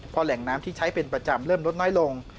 พอแหล่งน้ำที่ใช้เป็นประจำเริ่มลดน้อยลง